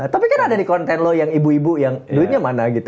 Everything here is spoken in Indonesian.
tapi kan ada di konten lo yang ibu ibu yang duitnya mana gitu